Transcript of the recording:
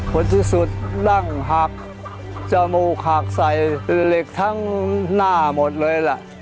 คนที่สุดดั้งหักจมูกหักใส่เหล็กทั้งหน้าหมดเลยล่ะ